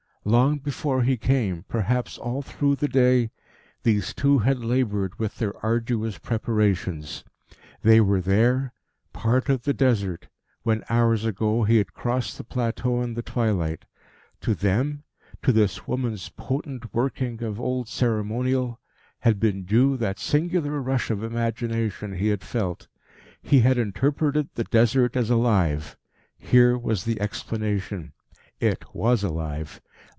Long before he came, perhaps all through the day, these two had laboured with their arduous preparations. They were there, part of the Desert, when hours ago he had crossed the plateau in the twilight. To them to this woman's potent working of old ceremonial had been due that singular rush of imagination he had felt. He had interpreted the Desert as alive. Here was the explanation. It was alive.